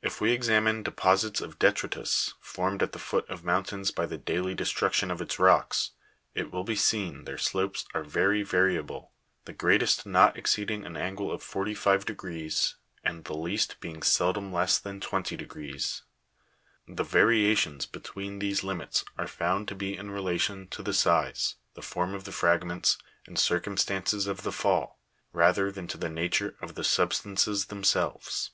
If we examine deposits of de'tritus, formed at the foot of mountains by the daily destruction of its rocks, it will be seen their slopes are very variable, the greatest not exceeding an angle of forty five degrees, and the least being seldom less than twenty degrees ; the variations between these limits are found to be in relation to the size, the form of the fragments, and circumstances of the fall, rather than to the nature of the substances themselves.